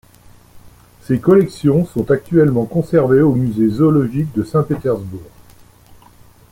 Ses collections sont actuellement conservées au Musée zoologique de Saint-Pétersbourg.